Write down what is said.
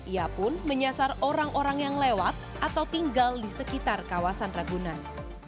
ia pun menyasar orang orang yang lewat atau tinggal di sekitar kawasan ragunan